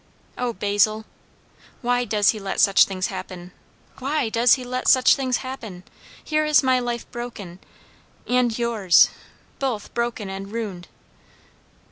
"O Basil! why does he let such things happen? why does he let such things happen? Here is my life broken and yours; both broken and ruined."